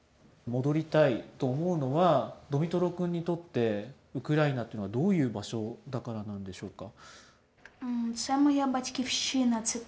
戻りたいと思うのは、デミトロ君にとって、ウクライナというのはどういう場所だからなんでしょうか。